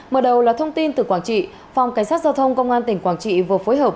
mở đầu là thông tin từ quảng trị phòng cảnh sát giao thông công an tỉnh quảng trị vừa phối hợp